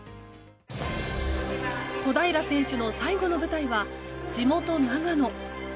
小平選手の最後の舞台は地元・長野。